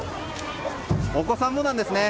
お子さんもなんですね。